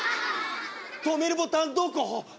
止めるボタンどこ？